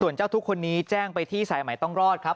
เจ้าทุกคนนี้แจ้งไปที่สายใหม่ต้องรอดครับ